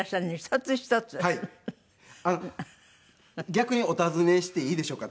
逆にお尋ねしていいでしょうか？